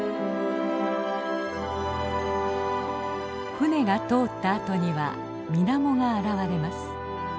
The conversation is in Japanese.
舟が通ったあとには水面が現れます。